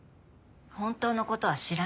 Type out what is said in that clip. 本当の事は知らない。